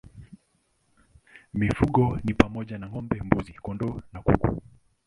Mifugo ni pamoja na ng'ombe, mbuzi, kondoo na kuku.